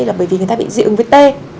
là bởi vì người ta bị dị ứng với tê